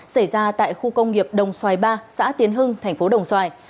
xảy ra tại khu công nghiệp đồng xoài ba xã tiến hưng thành phố đồng xoài